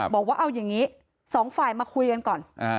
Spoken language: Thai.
บอกว่าเอาอย่างนี้สองฝ่ายมาคุยกันก่อน